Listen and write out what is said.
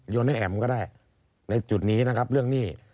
ให้แอ๋มก็ได้ในจุดนี้นะครับเรื่องหนี้